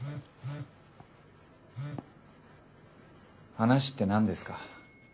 話って何ですか？